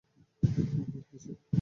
বল, হিশি।